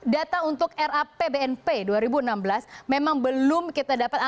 data untuk rapbnp dua ribu enam belas memang belum kita dapatkan